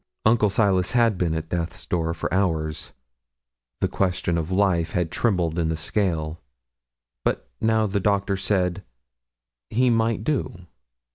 Uncle Silas had been at death's door for hours; the question of life had trembled in the scale; but now the doctor said 'he might do.'